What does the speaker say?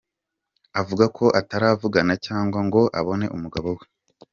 Avuga ko ataravugana cyangwa ngo abone umugabo we.